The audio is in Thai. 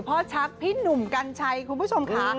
ชักพี่หนุ่มกัญชัยคุณผู้ชมค่ะ